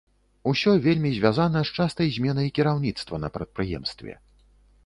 Усё вельмі звязана з частай зменай кіраўніцтва на прадпрыемстве.